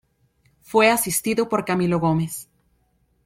Fue asistido por Camilo Gómez.